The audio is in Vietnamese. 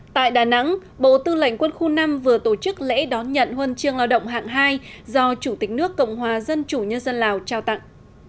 tại đà nẵng bộ tư lệnh quân khu năm vừa tổ chức lễ đón nhận huân chương lao động hạng hai do chủ tịch nước cộng hòa dân chủ nhân dân lào trao tặng